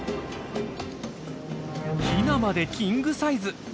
ヒナまでキングサイズ。